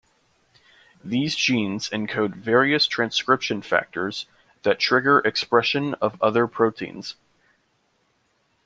These genes encode various transcription factors that trigger expression of other proteins.